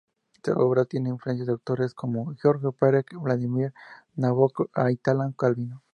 Su obra tiene influencias de autores como Georges Perec, Vladimir Nabokov o Italo Calvino.